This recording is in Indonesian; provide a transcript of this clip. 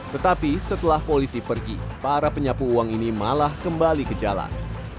tetapi setelah polisi pergi para penyapu uang ini malah kembali ke jalan